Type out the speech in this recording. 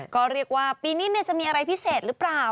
ก็เรียกว่าปีนี้จะมีอะไรพิเศษหรือเปล่า